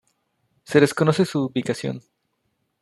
Se desconoce su ubicación.